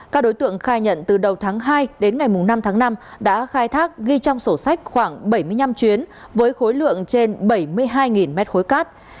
các đối tượng khai nhận từ đầu tháng hai đến ngày năm tháng năm đã khai thác ghi trong sổ sách khoảng bảy mươi năm chuyến với khối lượng trên bảy mươi hai mét khối cát